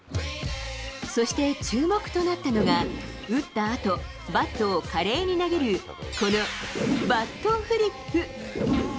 そして注目となったのが、打ったあと、バットを華麗に投げる、このバットフリップ。